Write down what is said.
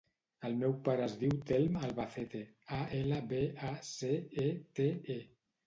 El meu pare es diu Telm Albacete: a, ela, be, a, ce, e, te, e.